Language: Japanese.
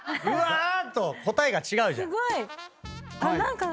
「うわ」と答えが違うじゃん。